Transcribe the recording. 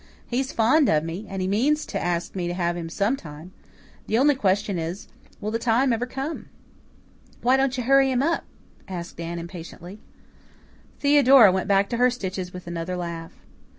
He's fond of me, and he means to ask me to have him sometime. The only question is will the time ever come?" "Why don't you hurry him up?" asked Anne impatiently. Theodora went back to her stitches with another laugh.